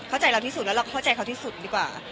เข้าใจเราที่สุดแล้วเราเข้าใจเขาที่สุดดีกว่า